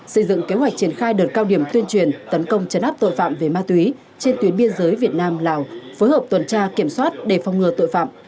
xây dựng kế hoạch triển khai đợt cao điểm tuyên truyền tấn công chấn áp tội phạm về ma túy trên tuyến biên giới việt nam lào phối hợp tuần tra kiểm soát để phòng ngừa tội phạm